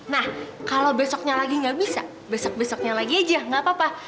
nah kalau besoknya lagi nggak bisa besok besoknya lagi aja nggak apa apa